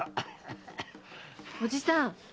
おじさん。